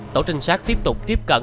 tổ trinh sát tiếp tục tiếp cận